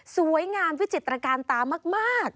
สวยงามวิจิตรการตามาก